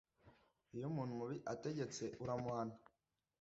iyo umuntu mubi ategetse uramuhana